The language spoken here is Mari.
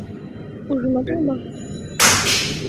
Ужын отыл мо?..